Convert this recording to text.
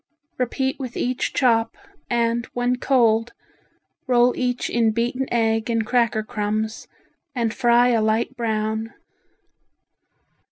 Repeat with each chop, and when cold roll each in beaten egg and cracker crumbs, and fry a light brown.